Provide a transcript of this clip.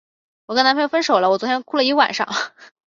我跟男朋友分手了，我昨天哭了整个晚上。